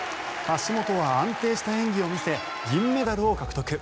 橋本は安定した演技を見せ銀メダルを獲得。